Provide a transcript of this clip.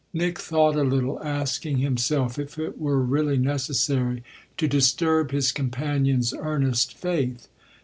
Nick thought a little, asking himself if it were really necessary to disturb his companion's earnest faith.